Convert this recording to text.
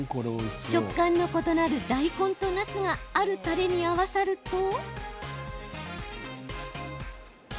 食感の異なる大根となすがあるたれに合わさると。